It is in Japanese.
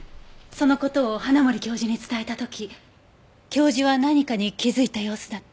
その事を花森教授に伝えた時教授は何かに気づいた様子だった。